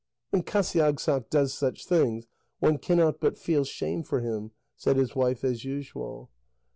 "When Qasiagssaq does such things, one cannot but feel shame for him," said his wife as usual.